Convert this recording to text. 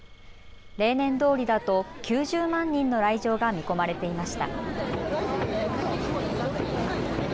例年どおりだと９０万人の来場が見込まれていました。